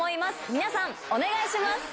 皆さん、お願いします。